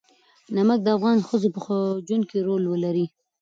نمک د افغان ښځو په ژوند کې رول لري.